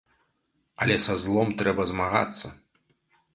Але са злом трэба змагацца!